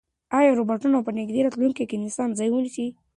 ایا روبوټونه به په نږدې راتلونکي کې د انسانانو ځای ونیسي؟